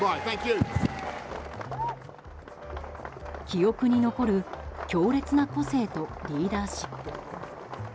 記憶に残る強烈な個性とリーダーシップ。